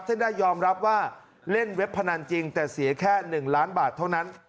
ซึ่งได้ยอมรับว่าเล่นเว็บพนันจริงแต่เสียแค่๑ล้านบาทเท่านั้น